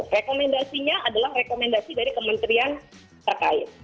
rekomendasinya adalah rekomendasi dari kementerian terkait